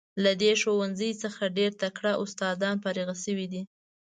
له دې ښوونځي څخه ډیر تکړه استادان فارغ شوي دي.